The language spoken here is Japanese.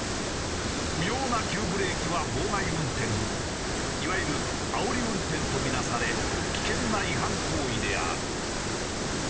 不要な急ブレーキは妨害運転いわゆるあおり運転とみなされ危険な違反行為である。